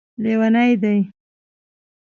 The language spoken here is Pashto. لیوني دی